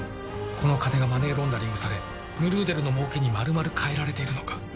この金がマネーロンダリングされムルーデルの儲けにまるまる変えられているのか？